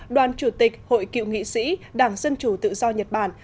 đoàn chủ tịch hội cựu nghị sĩ đảng dân chủ tự do nhật bản